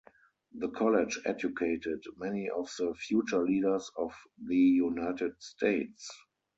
The college educated many of the future leaders of the United States.